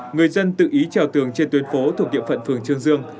người dân tự ý treo tường trên tuyến phố thuộc địa phận phường trương dương